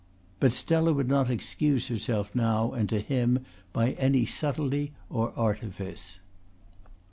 But Stella would not excuse herself now and to him by any subtlety or artifice.